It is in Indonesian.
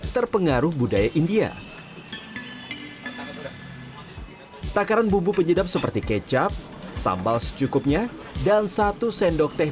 terpengaruh budaya india takaran bumbu penyedap seperti kecap sambal secukupnya dan satu sendok teh